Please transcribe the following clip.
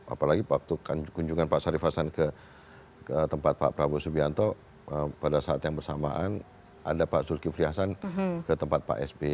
apalagi waktu kunjungan pak sarif hasan ke tempat pak prabowo subianto pada saat yang bersamaan ada pak zulkifri hasan ke tempat pak sby